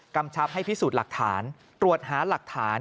กำชับให้พิสูจน์หลักฐานตรวจหาหลักฐาน